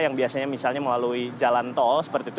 yang biasanya misalnya melalui jalan tol seperti itu